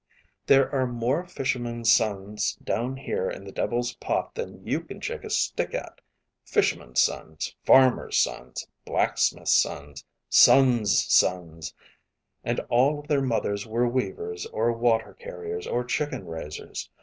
"There are more fishermen's sons down here in the Devil's Pot than you can shake a stick at fishermen's sons, farmers' sons, blacksmiths' sons, sons' sons. And all of their mothers were weavers or water carriers, or chicken raisers.